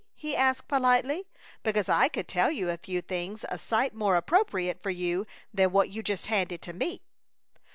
he asked, politely; "because I could tell you a few things a sight more appropriate for you than what you just handed to me."